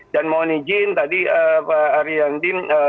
dan mohon izin tadi pak ariandin